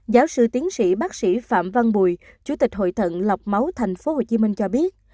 giáo sư tiến sĩ bác sĩ phạm văn bùi chủ tịch hội thận lọc máu tp hcm cho biết